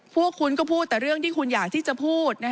พวกคุณก็พูดแต่เรื่องที่คุณอยากที่จะพูด